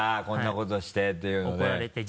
こんなことしてっていうね。